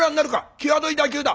際どい打球だ。